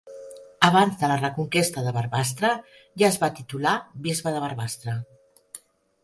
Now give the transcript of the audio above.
Abans de la reconquesta de Barbastre ja es va titular bisbe de Barbastre.